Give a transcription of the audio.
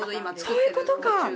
そういうことか！